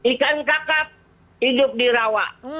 ikan kakap hidup di rawa